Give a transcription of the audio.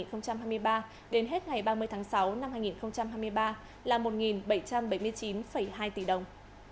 tổng số trích quỹ bog xăng dầu trong quý ii năm hai nghìn hai mươi ba đến hết ngày một tháng bốn năm hai nghìn hai mươi ba là một bảy trăm bảy mươi chín hai tỷ đồng